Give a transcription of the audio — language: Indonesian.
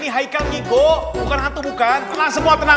ini hai kango bukan on itu bukanlah semua